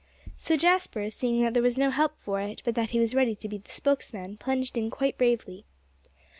So Jasper, seeing that there was no help for it, but that he was really to be the spokesman, plunged in quite bravely.